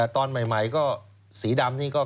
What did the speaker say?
ตอนใหม่ก็สีดำนี่ก็